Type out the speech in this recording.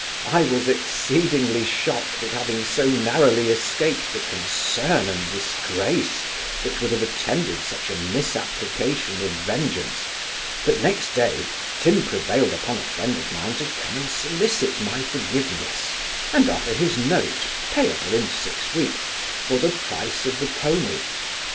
I was exceedingly shocked at having so narrowly escaped the concern and disgrace that would have attended such a misapplication of vengeance: but, next day, Tim prevailed upon a friend of mine to come and solicit my forgiveness, and offer his note, payable in six weeks, for the price of the poney.